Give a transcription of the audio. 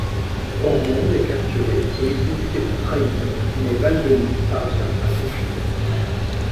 Ormonde est capturé et exécuté pour trahison, mais Balveny parvient à s'enfuir.